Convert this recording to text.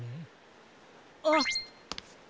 あっ！